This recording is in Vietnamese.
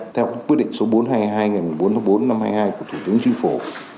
theo quyết định số bốn trăm hai mươi hai ngày bốn tháng bốn năm hai nghìn hai mươi hai của thủ tướng chí phổ